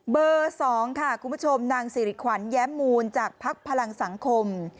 ๒ค่ะคุณผู้ชมนางสิริขวัญแย้มมูลจากภักดิ์พลังสังคม